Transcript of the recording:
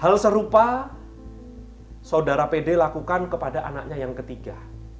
hal serupa saudara pd lakukan kepada anaknya yang ketiga